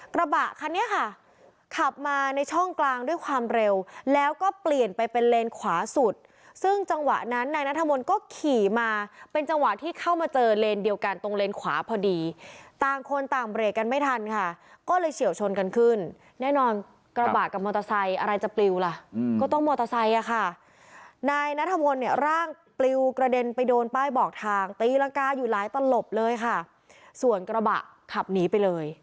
กระบะคันนี้ค่ะขับมาในช่องกลางด้วยความเร็วแล้วก็เปลี่ยนไปเป็นเลนส์ขวาสุดซึ่งจังหวะนั้นนายนัทธรรมน์ก็ขี่มาเป็นจังหวะที่เข้ามาเจอเลนส์เดียวกันตรงเลนส์ขวาพอดีต่างคนต่างเบรกกันไม่ทันค่ะก็เลยเฉียวชนกันขึ้นแน่นอนกระบะกับมอเตอร์ไซน์อะไรจะปลิวล่ะก็ต้องมอเตอร์ไซน์